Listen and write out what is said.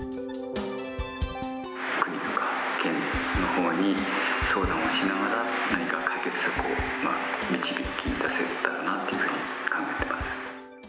国とか県のほうに相談をしながら、何か解決策を導き出せれたらなというふうに考えてます。